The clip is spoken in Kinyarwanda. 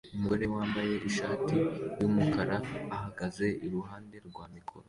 Umugore wambaye ishati yumukara ahagaze iruhande rwa mikoro